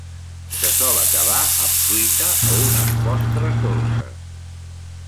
Se sol acabar amb fruita o unes postres dolces.